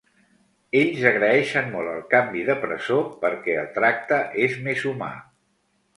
Ells agraeixen molt el canvi de presó perquè el tracte és més humà.